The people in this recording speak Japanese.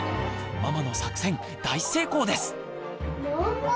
ママの作戦大成功です！